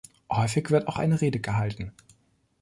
Häufig wird auch eine Rede gehalten.